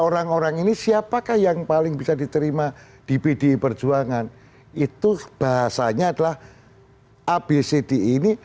orang orang ini siapakah yang paling bisa diterima di pdi perjuangan itu bahasanya adalah abcd ini